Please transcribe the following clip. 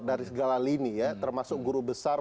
dari segala lini ya termasuk guru besar